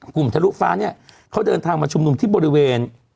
ทะลุฟ้าเนี่ยเขาเดินทางมาชุมนุมที่บริเวณ